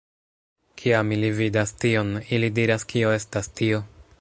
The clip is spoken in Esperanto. Kiam ili vidas tion, ili diras kio estas tio?